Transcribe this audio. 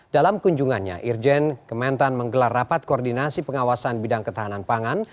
dalam kunjungannya irjen kementan menggelar rapat koordinasi pengawasan bidang ketahanan pangan